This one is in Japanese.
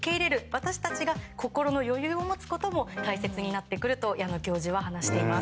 私たちが心の余裕を持つことも大切になってくると矢野教授は話しています。